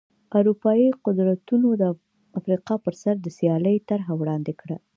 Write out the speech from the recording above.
اروپايي قدرتونو د افریقا پر سر د سیالۍ طرحه وړاندې کړه.